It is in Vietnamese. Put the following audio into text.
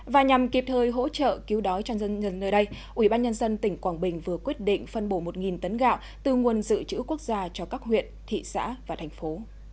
và nhằm kịp thời hỗ trợ cứu đói cho dân ngân nơi đây ủy ban nhân dân tỉnh quảng bình vừa quyết định phân bổ một tấn gạo từ nguồn dự trữ quốc gia cho các huyện thị xã và thành phố